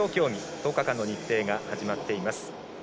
１０日間の日程が始まっています。